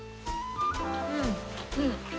うんうん！